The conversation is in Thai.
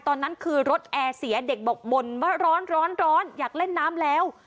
ตอนนั้นคือรถแอร์เสียเด็กบอกบ่นว่าร้อนอยากเล่นน้ำแล้ว